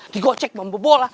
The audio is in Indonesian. digocek bambu bola